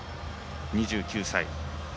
２９歳。